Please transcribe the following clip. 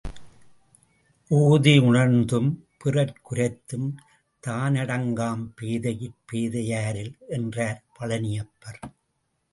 ஓதி உணர்ந்தும், பிறர்க் குரைத்தும், தானடங்காம் பேதையிற் பேதையாரில் என்றார் பழனியப்பர்.